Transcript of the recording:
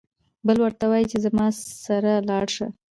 بل ورته وايي چې زما سره لاړ شه.